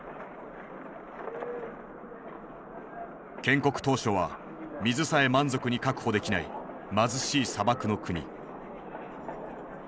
建国当初は水さえ満足に確保できない貧しい砂漠の国。